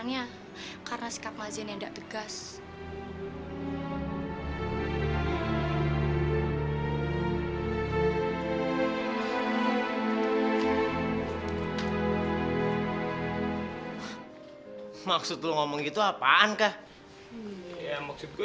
ya abis sebel dong bu